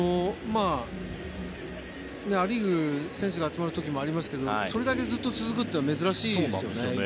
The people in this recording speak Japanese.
ア・リーグ選手が集まる時もありますけどそれだけずっと続くというのは珍しいですよね